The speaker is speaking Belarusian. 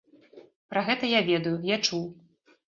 Пра гэта я ведаю, я чуў.